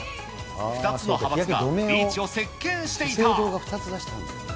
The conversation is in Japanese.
２つの派閥がビーチを席けんしていた。